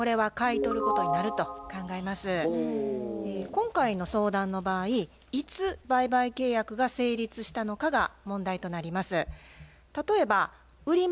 今回の相談の場合いつ売買契約が成立したのかが問題となります。